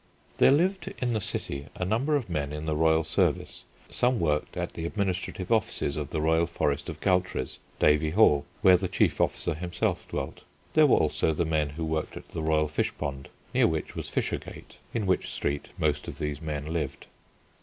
There lived in the city a number of men in the royal service. Some worked at the administrative offices of the royal forest of Galtres, Davy Hall, where the chief officer himself dwelt. There were also the men who worked at the royal Fish Pond near which was Fishergate in which street most of these men lived.